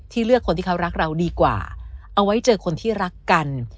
เลือกคนที่เขารักเราดีกว่าเอาไว้เจอคนที่รักกัน